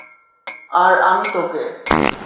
আর আমি তোকে।